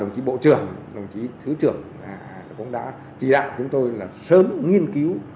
đồng chí bộ trưởng đồng chí thứ trưởng cũng đã chỉ đạo chúng tôi là sớm nghiên cứu